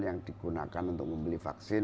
yang digunakan untuk membeli vaksin